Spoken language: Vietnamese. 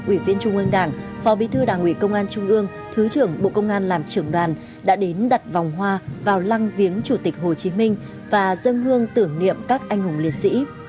ủy viên trung ương đảng phó bí thư đảng ủy công an trung ương thứ trưởng bộ công an làm trưởng đoàn đã đến đặt vòng hoa vào lăng viếng chủ tịch hồ chí minh và dân hương tưởng niệm các anh hùng liệt sĩ